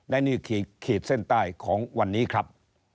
ในหนี้ขีดเส้นใต้ของวันนี้ครับ